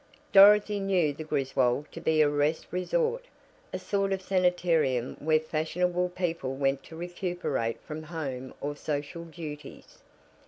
Dorothy knew the Griswold to be a rest resort, a sort of sanitarium where fashionable people went to recuperate from home or social duties.